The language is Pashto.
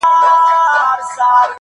رخسار دي میکده او زه خیام سم چي در ګورم,